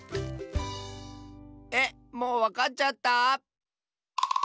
えっもうわかっちゃった？